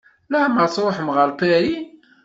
Leɛmeṛ Tṛuḥem ɣer Paris?